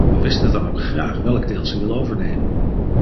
We wisten dan ook graag welk deel ze wil overnemen.